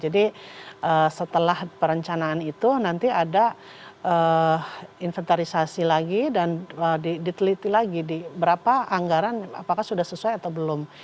jadi setelah perencanaan itu nanti ada inventarisasi lagi dan diteliti lagi di berapa anggaran apakah sudah sesuai atau belum